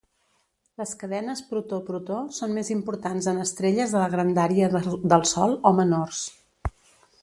Les cadenes protó-protó són més importants en estrelles de la grandària del Sol o menors.